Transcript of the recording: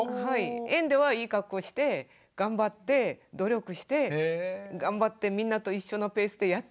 園ではいいかっこして頑張って努力して頑張ってみんなと一緒のペースでやってるんですよ。